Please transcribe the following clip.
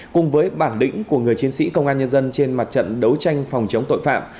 cùng với bản lĩnh của người chiến sĩ công an nhân dân trên mặt trận đấu tranh phòng chống tội phạm